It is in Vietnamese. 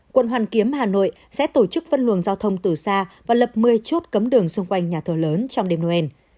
quận hoàn kiếm hà nội sẽ tổ chức văn luồng giao thông từ xa và lập một mươi chốt cấm đường xung quanh nhà thờ lớn trong đêm noel